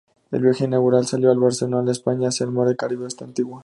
El viaje inaugural salió de Barcelona, España hacia el mar Caribe hasta Antigua.